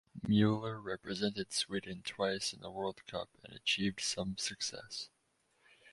Mueller represented Sweden twice in the World Cup and achieved some success.